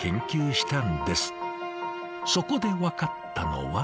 そこで分かったのは。